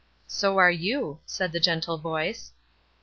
"So are you," said the gentle voice.